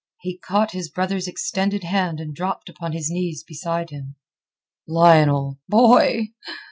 He caught his brother's extended hand, and dropped upon his knees beside him. "Lionel...Boy!"